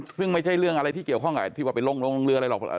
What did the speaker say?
ซึ่งไม่ใช่เรื่องอะไรที่เกี่ยวข้องกับที่ว่าไปลงเรืออะไรหรอก